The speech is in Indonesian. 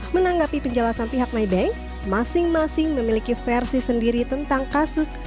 menanggapi penjelasan pihak maybank masing masing memiliki versi sendiri tentang kasus